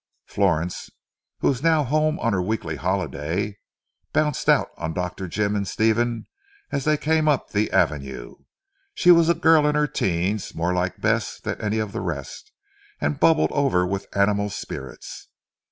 Florence, who was now home on her weekly holiday, bounced out on Dr. Jim and Stephen as they came up the avenue. She was a girl in her teens, more like Bess than any of the rest, and bubbled over with animal spirits.